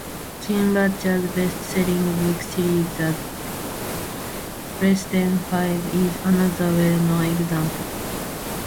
Jim Butcher's best-selling book series The Dresden Files is another well-known example.